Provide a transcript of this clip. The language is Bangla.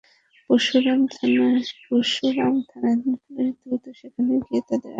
পরশুরাম থানার পুলিশ দ্রুত সেখানে গিয়ে তাঁদের আটক করে থানায় নিয়ে যায়।